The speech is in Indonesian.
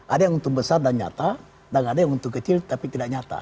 ada yang untung besar dan nyata dan ada yang untung kecil tapi tidak nyata